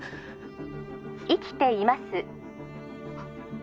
☎生きています